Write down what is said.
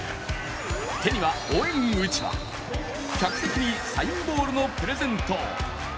手には応援うちわ客席にサインボールのプレゼント。